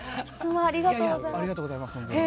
ありがとうございます。